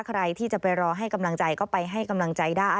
ใครที่จะไปรอให้กำลังใจก็ไปให้กำลังใจได้